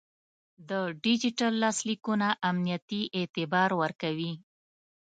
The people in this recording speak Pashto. د ډیجیټل لاسلیکونه امنیتي اعتبار ورکوي.